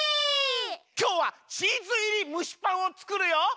きょうはチーズいりむしパンをつくるよ。